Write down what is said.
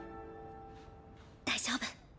大丈夫。